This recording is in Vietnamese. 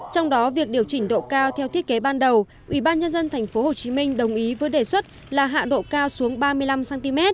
trong đó việc điều chỉnh độ cao theo thiết kế ban đầu ủy ban nhân dân tp hcm đồng ý với đề xuất là hạ độ cao xuống ba mươi năm cm